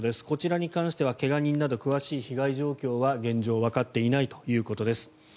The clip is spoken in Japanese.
こちらに関しては怪我人など詳しい被害状況は現状わかっていないということです。